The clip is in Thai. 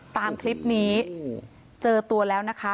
ตามคลิปนี้เจอตัวแล้วนะคะ